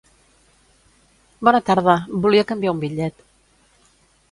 Bona tarda, volia canviar un bitllet.